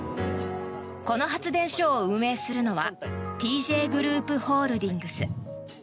この発電；を運営するのはＴＪグループホールディングス。